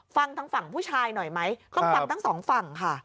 ฟังทางฝั่งผู้ชายหน่อยไหมต้องฟังทั้งสองฝั่งค่ะ